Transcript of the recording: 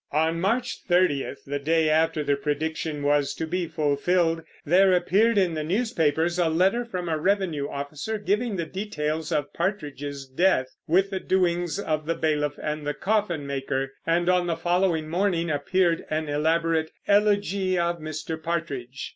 On March 30, the day after the prediction was to be fulfilled, there appeared in the newspapers a letter from a revenue officer giving the details of Partridge's death, with the doings of the bailiff and the coffin maker; and on the following morning appeared an elaborate "Elegy of Mr. Partridge."